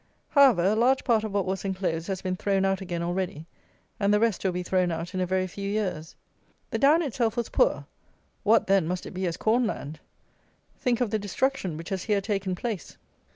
However, a large part of what was enclosed has been thrown out again already, and the rest will be thrown out in a very few years. The down itself was poor; what, then, must it be as corn land! Think of the destruction which has here taken place.